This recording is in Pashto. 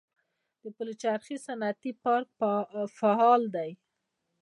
د پلچرخي صنعتي پارک فعال دی